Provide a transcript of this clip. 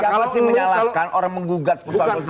siapa sih menyalahkan orang menggugat persoalan konstitusi